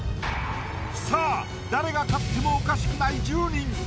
さぁ誰が勝ってもおかしくない１０人。